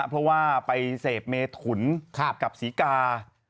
เพราะว่าไปเสพเมถุนกับศรีกา